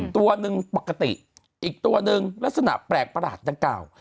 ตัวหนึ่งปกติอีกตัวหนึ่งลักษณะแปลกประหลาดดังกล่าว